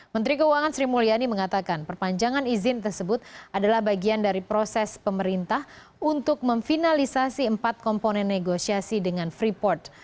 menteri keuangan sri mulyani mengatakan perpanjangan izin tersebut adalah bagian dari proses pemerintah untuk memfinalisasi empat komponen negosiasi dengan freeport